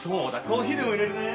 コーヒーでも入れるね。